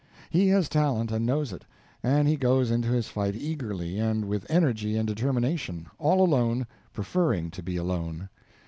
He has talent and knows it, and he goes into his fight eagerly and with energy and determination all alone, preferring to be alone.